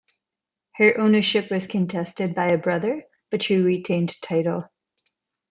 Her ownership was contested by a brother, but she retained title.